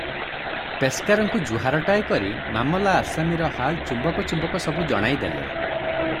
ପେସ୍କାରଙ୍କୁ ଜୁହାରଟାଏ କରି ମାମଲା ଆସାମୀର ହାଲ ଚୁମ୍ବକ ଚୁମ୍ବକ ସବୁ ଜଣାଇ ଦେଲେ ।